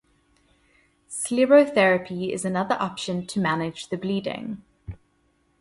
Sclerotherapy is another option to manage the bleeding.